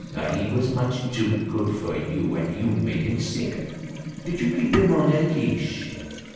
He was much too good for you and you made him sick. Did you keep him on a leash?